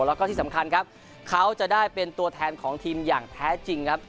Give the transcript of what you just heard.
แล้วก็ที่สำคัญครับเขาจะได้เป็นตัวแทนของทีมอย่างแท้จริงครับ